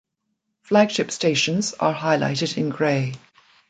Flagship stations are highlighted in grey.